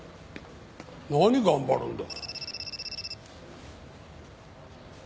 何頑張るんだ。